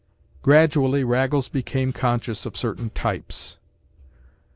Gradually Raggles became conscious of certain types.